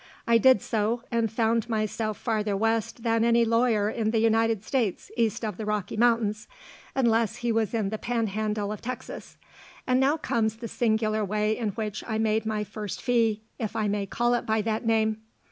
I did so, and found myself farther west than any lawyer in the United States east of the Rocky Mountains, unless he was in the panhandle of Texas. And now comes the singular way in which I made my first fee, if I may call it by that name.